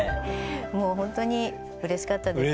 もうほんとにうれしかったですね。